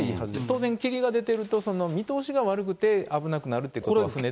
当然霧が出てると、見通しが悪くて危なくなるということですよね。